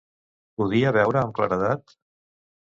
Podia veure amb claredat?